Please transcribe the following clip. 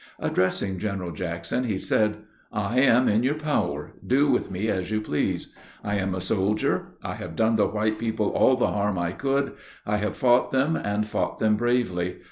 Addressing General Jackson, he said, "I am in your power do with me as you please. I am a soldier. I have done the white people all the harm I could; I have fought them, and fought them bravely.